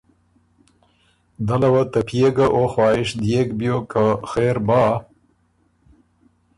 دله وه ته پئے ګه او خواهش ديېک بیوک که خېر بَۀ